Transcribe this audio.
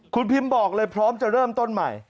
คุณพิมบอกเลยพร้อมจะเริ่มต้นใหม่